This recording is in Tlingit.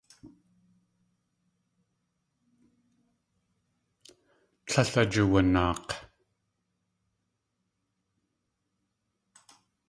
Tlél ajuwanaak̲.